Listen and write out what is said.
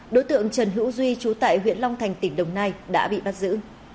đối tượng trần hữu duy trú tại huyện long thành tỉnh đồng nai đã bị bắt giữ